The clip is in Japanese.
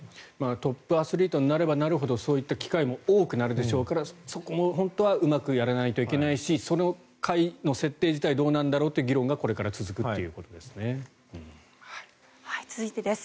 トップアスリートになればなるほどそういった機会も多くなるでしょうからそこは本当はうまくやらないといけないしその会の設定自体どうなんだろうという議論がこれから続くということですね。